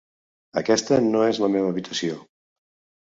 Aquesta no és la meva habitació.